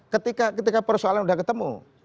ketika persoalan sudah ketemu